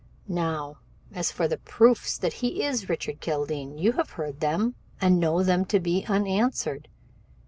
"Now, as for the proofs that he is Richard Kildene, you have heard them and know them to be unanswered.